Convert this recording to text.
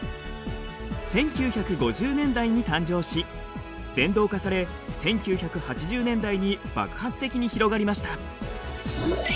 １９５０年代に誕生し電動化され１９８０年代に爆発的に広がりました。